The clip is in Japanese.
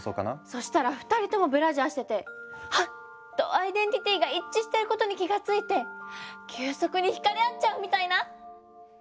そしたら２人ともブラジャーしてて「はっ！」とアイデンティティーが一致してることに気が付いて急速に惹かれ合っちゃうみたいな？